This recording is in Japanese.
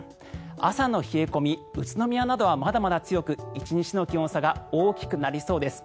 朝の冷え込み宇都宮などはまだまだ強く１日の気温差が大きくなりそうです。